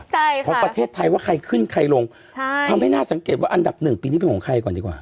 ใช่ค่ะของประเทศไทยว่าใครขึ้นใครลงค่ะทำให้น่าสังเกตว่าอันดับหนึ่งปีนี้เป็นของใครก่อนดีกว่า